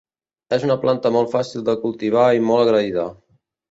És una planta molt fàcil de cultivar i molt agraïda.